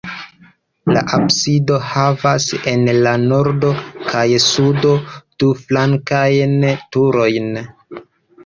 La absido havas en la nordo kaj sudo du flankajn turojn.